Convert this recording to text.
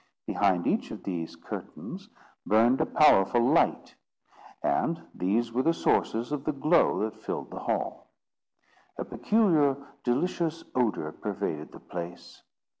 Behind each of these curtains burned a powerful light, and these were the sources of the glow that filled the hall. A peculiar delicious odour pervaded the place.